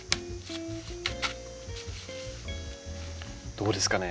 どうですかね？